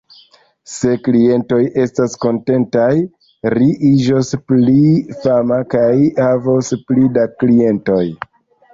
Se klientoj estas kontentaj, ri iĝos pli fama kaj havos pli da klientoj.